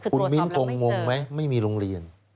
คุณมิ้นคงงไหมไม่มีโรงเรียน